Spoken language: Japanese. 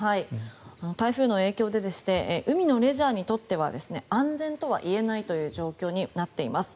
台風の影響で海のレジャーにとっては安全とは言えないという状況になっています。